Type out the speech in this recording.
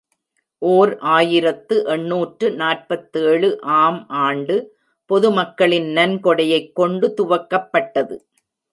ஓர் ஆயிரத்து எண்ணூற்று நாற்பத்தேழு ஆம் ஆண்டு பொது மக்களின் நன்கொடையைக் கொண்டு துவக்கப்பட்டது.